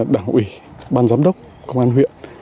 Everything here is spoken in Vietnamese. đảng ủy ban giám đốc công an huyện